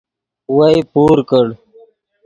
وئے پور کڑ